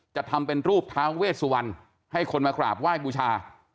จะทำเป็นรูปท้าเวสวรรณให้คนมากราบไหว้บูชา